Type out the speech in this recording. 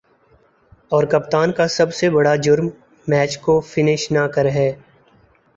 اور کپتان کا سب سے بڑا"جرم" میچ کو فنش نہ کر ہے